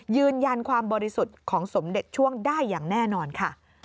ยืนยันความบริสุทธิ์ของสมเด็จช่วงได้อย่างแน่นอนค่ะ